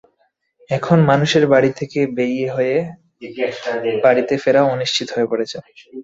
এখন মানুষের বাড়ি থেকে বের হয়ে বাড়িতে ফেরাও অনিশ্চিত হয়ে পড়েছে।